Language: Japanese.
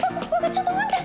ちょっと待って！